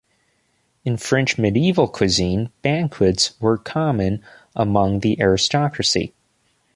In French medieval cuisine, banquets were common among the aristocracy.